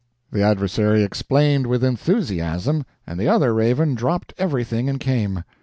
The adversary explained with enthusiasm, and the other raven dropped everything and came.